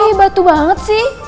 ih batu banget sih